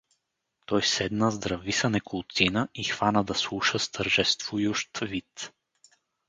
Той седна, здрависа неколцина и хвана да слуша с тържествующ вид.